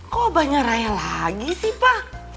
kok abahnya raya lagi sih pa